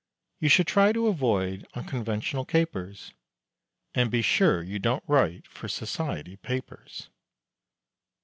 You should try to avoid unconventional capers, And be sure you don't write for Society papers.